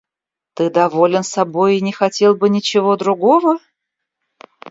Ты доволен собой и не хотел бы ничего другого?